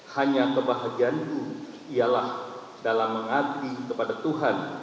hanya kebahagiaanku ialah dalam mengabdi kepada tuhan